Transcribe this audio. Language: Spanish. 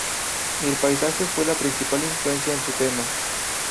El paisaje fue la principal influencia en su tema.